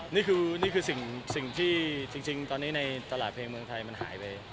นี่คือนี่คือสิ่งที่จริงตอนนี้ในตลาดเพลงเมืองไทยมันหายไป